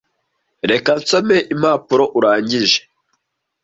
Reka nsome impapuro urangije.